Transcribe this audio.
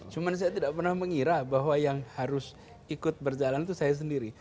cuma saya tidak pernah mengira bahwa yang harus ikut berjalan itu saya sendiri